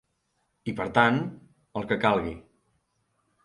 I per tant, el que calgui.